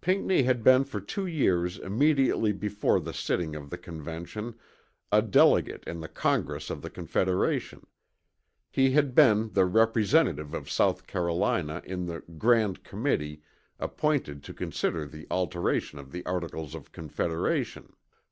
Pinckney had been for two years immediately before the sitting of the Convention, a delegate in the Congress of the Confederation. He had been the representative of South Carolina in the "grand committee" appointed to consider the alteration of the Articles of Confederation.